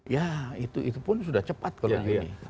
ya itu pun sudah cepat kalau gini